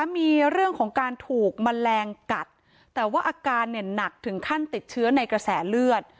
มีเรื่องของการถูกแมลงกัดแต่ว่าอาการเนี่ยหนักถึงขั้นติดเชื้อในกระแสเลือด